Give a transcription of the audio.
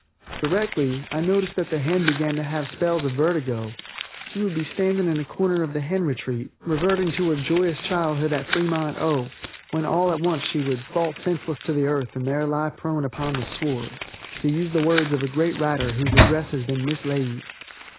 Directly I noticed that the hen began to have spells of vertigo. She would be standing in a corner of the hen retreat, reverting to her joyous childhood at Fremont, O., when all at once she would "fall senseless to the earth and there lie prone upon the sward," to use the words of a great writer whose address has been mislaid.